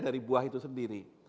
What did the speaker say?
dari buah itu sendiri